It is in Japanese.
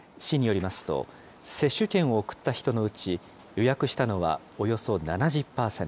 市によりますと、接種券を送った人のうち、予約したのはおよそ７０％。